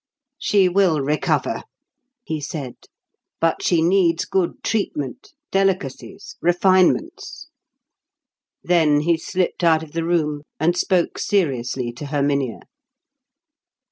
"She will recover," he said; "but she needs good treatment, delicacies, refinements." Then he slipped out of the room, and spoke seriously to Herminia.